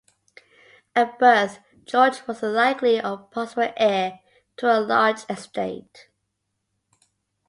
At birth George was the likely or possible heir to a large estate.